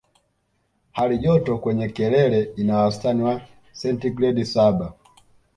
Hali joto kwenye kilele ina wastani ya sentigredi saba